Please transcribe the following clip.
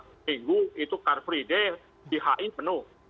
itu minggu itu car free day di hi penuh